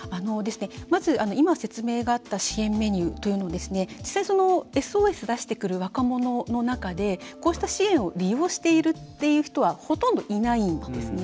まず、今、説明があった支援メニューというのは実際にＳＯＳを出してくる若者の中で、こうした支援を利用しているっていう人はほとんどいないんですね。